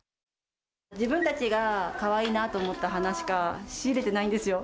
自分たちがかわいいなと思った花しか仕入れてないんですよ。